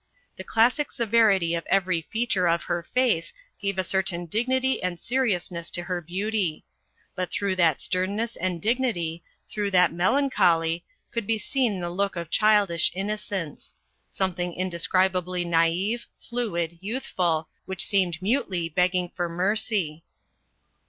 The classic severity of every feature of her face gave a certain dignity and seriousness to her beauty. But through that sternness and dignity, through that melancholy, could be seen the look of childish innocence; something indescribably nai've, fluid, youthful, which seemed mutely begging for mercy.